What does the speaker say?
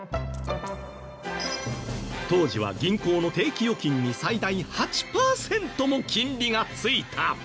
当時は銀行の定期預金に最大８パーセントも金利が付いた。